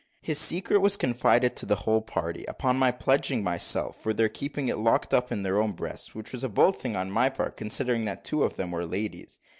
His secret was confided to the whole party, upon my pledging myself for their keeping it locked up in their own breasts, which was a bold thing on my part, considering that two of them were ladies.